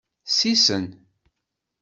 Sisen.